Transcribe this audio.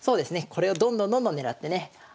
これをどんどんどんどん狙ってね